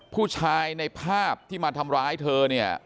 ผู้ชายในภาพที่มาทำร้ายเธอเนี่ย